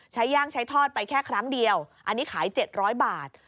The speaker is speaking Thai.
ย่างใช้ทอดไปแค่ครั้งเดียวอันนี้ขาย๗๐๐บาท